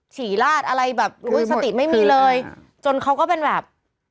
ฉี่ลาดอะไรแบบอุ้ยสติไม่มีเลยจนเขาก็เป็นแบบ